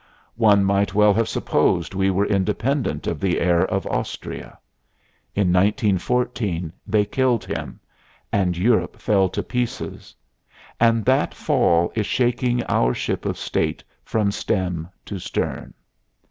One might well have supposed we were independent of the heir of Austria. In 1914 they killed him, and Europe fell to pieces and that fall is shaking our ship of state from stem to stern.